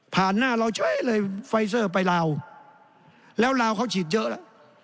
หน้าเราเฉยเลยไฟเซอร์ไปลาวแล้วลาวเขาฉีดเยอะแล้ว